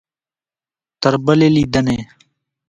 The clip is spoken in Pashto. تر بلې لیدنې؟